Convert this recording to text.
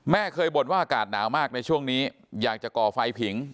เคยบ่นว่าอากาศหนาวมากในช่วงนี้อยากจะก่อไฟผิง